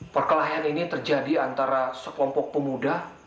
perkelahian ini terjadi antara sekelompok pemuda